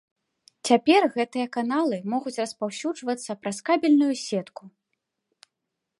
Цяпер гэтыя каналы могуць распаўсюджвацца праз кабельную сетку.